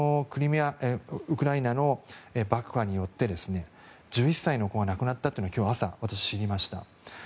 ウクライナの爆破によって１１歳の子が亡くなったというのを今日朝、私知りました。